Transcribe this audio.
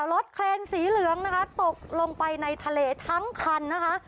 รถเครนสีเหลืองนะคะตกลงไปในทะเลทั้งคันนะคะ